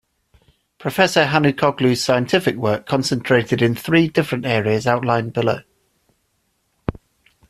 Professor Hanukoglu's scientific work concentrated in three different areas outlined below.